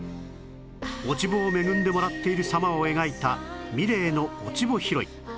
落ち穂を恵んでもらっている様を描いたミレーの『落ち穂拾い』